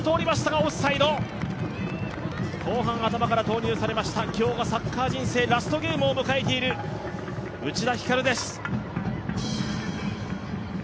後半頭から投入されました、今日がサッカー人生最後を迎えている内田光です。